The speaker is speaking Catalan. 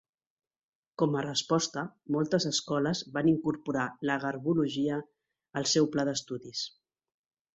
Com a resposta, moltes escoles van incorporar la "garbologia" al seu pla d'estudis.